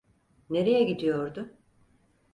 Nereye gidiyordu?